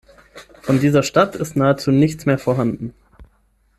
Von dieser Stadt ist nahezu nichts mehr vorhanden.